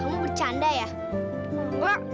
budi berk stripe triplek